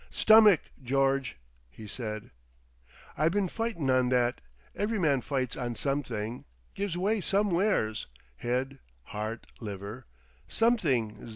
"Stomach, George," he said. "I been fightin' on that. Every man fights on some thing—gives way somewheres—head, heart, liver—something.